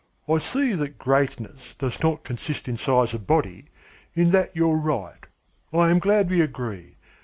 "I see that greatness does not consist in size of body. In that you're right. I am glad we agree.